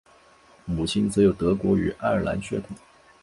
母亲则有德国与爱尔兰血统